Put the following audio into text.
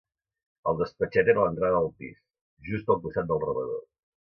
El despatxet era a l'entrada del pis, just al costat del rebedor.